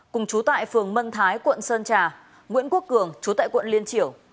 cùng chú tại phường mân thái quận sơn trà nguyễn quốc cường chú tại quận liên triểu